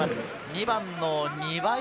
２番の庭井